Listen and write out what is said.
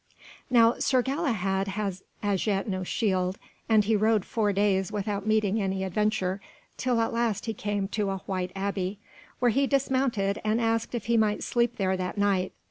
Now Sir Galahad had as yet no shield, and he rode four days without meeting any adventure, till at last he came to a White Abbey, where he dismounted and asked if he might sleep there that night.